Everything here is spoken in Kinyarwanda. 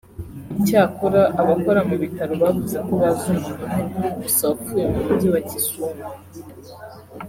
Icyakora abakora mu bitaro bavuze ko bazi umuntu umwe gusa wapfuye mu Mujyi wa Kisumu